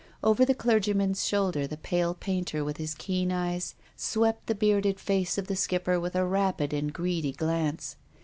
Over the clergyman's shoulder the pale painter with his keen eyes swept the bearded face of the Skipper with a rapid and greedy glance.